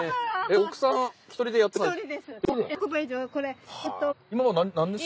奥さん１人でやってるんですか。